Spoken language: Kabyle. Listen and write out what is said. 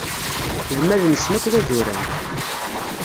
Lmal-nsen akk d azuran.